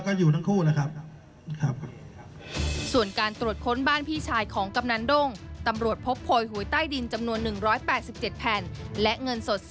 กันอยู่ทั้งคู่นะครับ